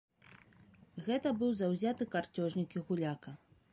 Гэта быў заўзяты карцёжнік і гуляка.